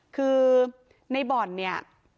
คือในบ่อนเนี่ย